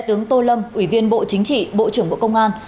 tướng tô lâm ủy viên bộ chính trị bộ trưởng bộ công an